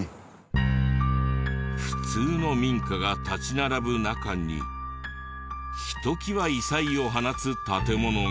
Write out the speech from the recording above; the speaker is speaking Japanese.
普通の民家が立ち並ぶ中にひときわ異彩を放つ建物が。